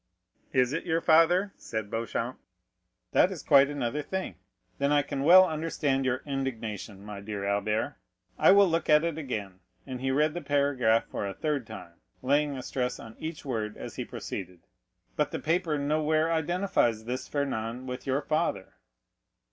"Is it your father?" said Beauchamp; "that is quite another thing. Then I can well understand your indignation, my dear Albert. I will look at it again;" and he read the paragraph for the third time, laying a stress on each word as he proceeded. "But the paper nowhere identifies this Fernand with your father."